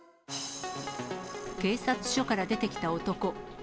警察署から出てきた男。